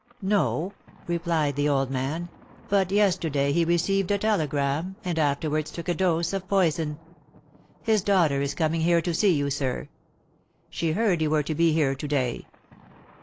"No," replied the old man; "but yesterday he received a telegram, and afterwards took a dose of poison. His daughter is coming here to see you, sir. She heard you were to be here to day."